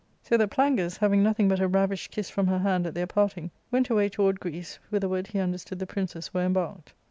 " So that Plangus, having nothing but a ravished kiss from her hand at their parting, went away toward Greece, whither ward he understood the princes were embarked.